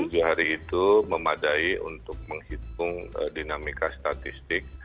dan tujuh hari itu memadai untuk menghitung dinamika statistik